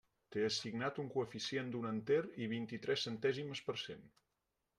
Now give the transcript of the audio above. Té assignat un coeficient d'un enter i vint-i-tres centèsimes per cent.